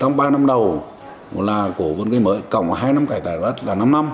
trong ba năm đầu là vươn cách mới cộng hai năm cải tạo là năm năm